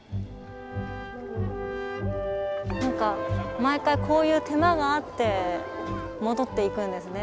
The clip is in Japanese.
何か毎回こういう手間があって戻っていくんですね。